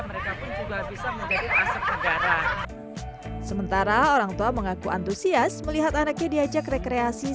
mereka pun juga bisa menjadi aset negara sementara orangtua mengaku antusias melihat anaknya diajak rekreasi